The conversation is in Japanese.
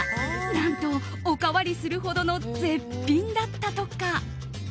何と、おかわりするほどの絶品だったとか。